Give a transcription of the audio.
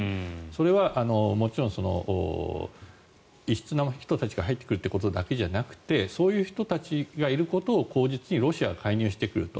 それはもちろん異質な人たちが入ってくるということだけではなくてそういう人たちがいることを口実にロシアが介入してくると。